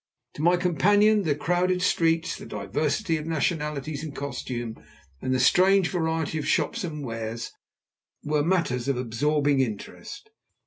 To my companion the crowded streets, the diversity of nationalities and costume, and the strange variety of shops and wares, were matters of absorbing interest.